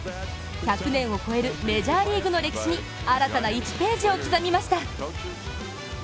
１００年を超えるメジャーリーグの歴史に新たな１ページを刻みました。